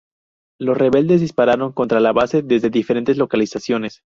Los rebeldes dispararon contra la base desde diferentes localizaciones.